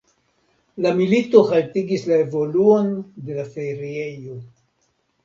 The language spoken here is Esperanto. La milito haltigis la evoluon de la feriejo.